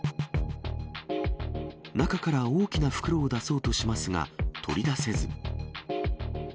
中から大きな袋を出そうとしますが、取り出せず。